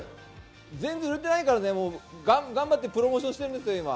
全然売れてないから頑張ってプロモーションしてるんです。